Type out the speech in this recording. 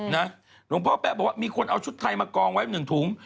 หลวงพ่อแป๊ะบอกว่ามีคนเอาชุดไทยมากองไว้๑ถุง